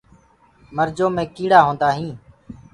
مرجو مي ڪيڙآ هوندآ هين۔